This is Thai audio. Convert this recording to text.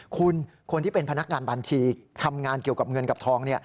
คุณคนที่เป็นพนักงานบัญชีทำงานเกี่ยวกับเงินกับทอง